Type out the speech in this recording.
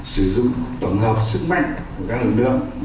sử dụng tổng hợp sức mạnh của các lực lượng